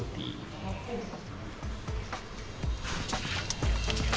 merendam beras ketan putih